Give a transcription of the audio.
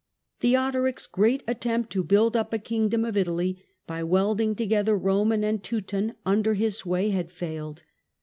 Theodoric's great attempt to build up a kingdom of Italy, by welding together Boman and Teuton under his sway, had failed.